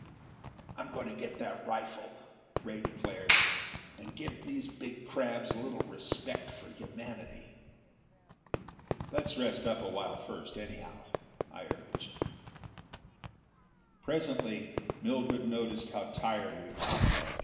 "I'm going to get that rifle," Ray declared, "and give these big crabs a little respect for humanity!" "Let's rest up a while first, anyhow," I urged. Presently Mildred noticed how tired we were.